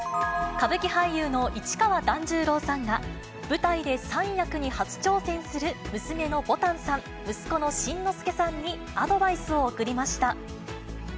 歌舞伎俳優の市川團十郎さんが、舞台で３役に初挑戦する娘のぼたんさん、息子の新之助さんにアドバイスを送りました。